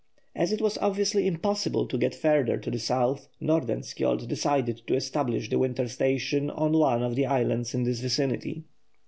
As it was obviously impossible to get farther to the south, Nordenskjold decided to establish the winter station on one of the islands in this vicinity.